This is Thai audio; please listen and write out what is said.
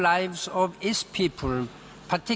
คุณพระเจ้า